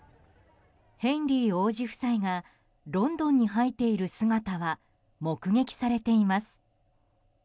ヘンリー王子夫妻がロンドンに入っている姿は目撃されています。